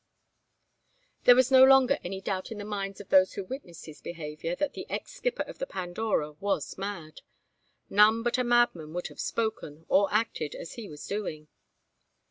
There was no longer any doubt in the minds of those who witnessed his behaviour, that the ex skipper of the Pandora was mad. None but a madman would have spoken, or acted, as he was doing.